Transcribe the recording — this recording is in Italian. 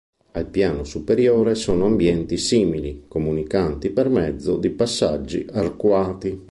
Al piano superiore sono ambienti simili, comunicanti per mezzo di passaggi arcuati.